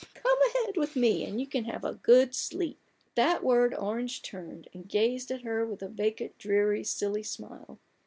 Come ahead with me and you can have a good sleep." At that word Orange turned, and gazed at her with a vacant, dreary, silly smile.